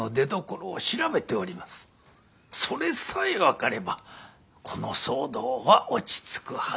それさえ分かればこの騒動は落ち着くはず。